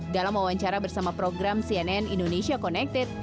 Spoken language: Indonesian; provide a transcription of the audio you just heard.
dalam wawancara bersama program cnn indonesia connected